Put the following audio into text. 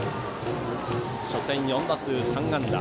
初戦、４打数３安打。